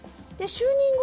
就任後